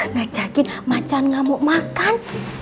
ngajakin macan ngamuk makan